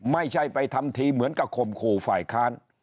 ไม่ใช่ไปทำทีเหมือนกับข่มขู่ฝ่ายค้าน